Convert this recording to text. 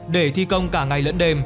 để thi công cả ngày lẫn đêm